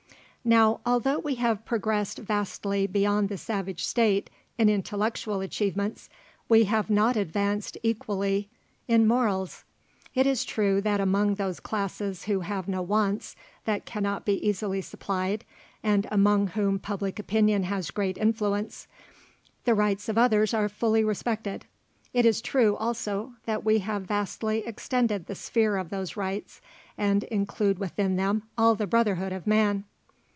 Now, although we have progressed vastly beyond the savage state in intellectual achievements, we have not advanced equally in morals. It is true that among those classes who have no wants that cannot be easily supplied, and among whom public opinion has great influence; the rights of others are fully respected. It is true, also, that we have vastly extended the sphere of those rights, and include within them all the brotherhood of man.